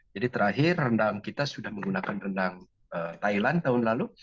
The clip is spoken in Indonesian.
jadi terakhir rendang kita sudah menggunakan rendang thailand tahun lalu